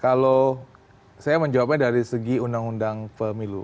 kalau saya menjawabnya dari segi undang undang pemilu